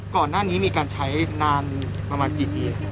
ก่อนหน้านี้มีการใช้นานประมาณกี่ปีครับ